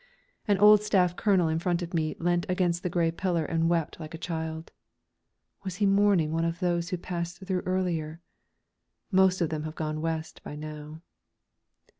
An old Staff Colonel in front of me leant against the grey pillar and wept like a child. Was he mourning one of those who passed through earlier? Most of them have gone West by now.